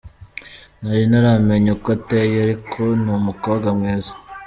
Nari ntaramenya uko ateye ariko ni umukobwa mwiza”.